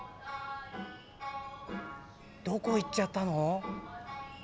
どこ行っちゃったの？